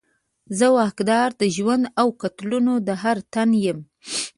زه واکدار د ژوند او قتلولو د هر تن یمه